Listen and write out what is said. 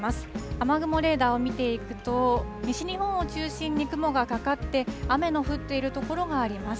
雨雲レーダーを見ていくと、西日本を中心に雲がかかって、雨の降っている所があります。